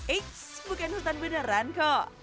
eits bukan hutan beneran kok